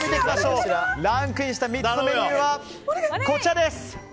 ランクインした３つのメニューはこちら。